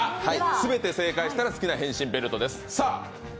全て正解したら好きな変身ベルトです。